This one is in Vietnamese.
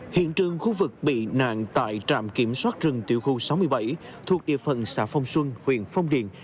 hiện trường khu vực bị nạn tại trạm kiểm soát rừng tiểu khu sáu mươi bảy thuộc địa phận xã phong xuân huyện phong điền